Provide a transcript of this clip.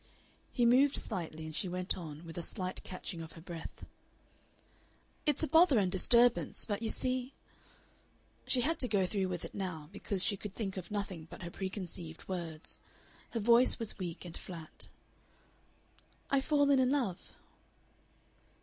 He moved slightly, and she went on, with a slight catching of her breath: "It's a bother and disturbance, but you see " She had to go through with it now, because she could think of nothing but her preconceived words. Her voice was weak and flat. "I've fallen in love."